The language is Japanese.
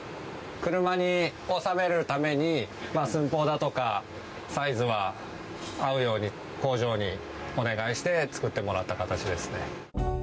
車に収めるために、寸法だとかサイズは合うように、工場にお願いして作ってもらった形ですね。